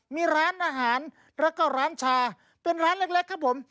มีร้านอาหารแล้วก็ร้านชาเป็นร้านเล็กครับผม